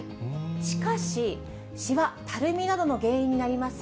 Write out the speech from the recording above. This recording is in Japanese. しかし、しわ、たるみなどの原因になります